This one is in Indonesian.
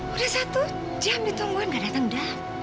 udah satu jam ditungguin nggak datang datang